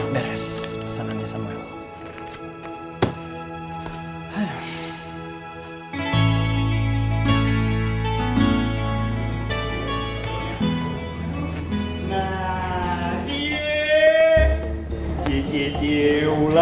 beres pesanannya samuel